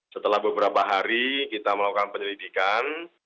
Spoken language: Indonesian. setelah beberapa hari kita melakukan penyelidikan